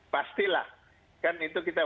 pastilah kan itu kita